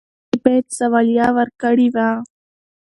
دلته يې بايد سواليه ورکړې و.